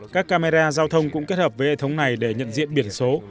các camera giao thông cũng kết hợp với hệ thống này để nhận diện biển số